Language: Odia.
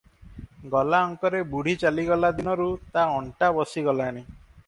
ଗଲା ଅଙ୍କରେ ବୁଢ଼ୀ ଚାଲିଗଲା ଦିନରୁ ତା ଅଣ୍ଟା ବସିଗଲାଣି ।